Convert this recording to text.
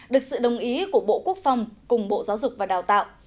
được sự đồng ý của bộ quốc phòng cùng bộ giáo dục và đào tạo